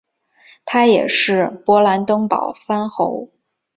他也是勃兰登堡藩侯。